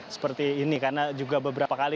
seperti ini karena juga beberapa kali